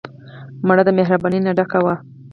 مړه د مهربانۍ نه ډکه وه